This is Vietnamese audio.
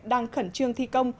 đang khẩn trương thi công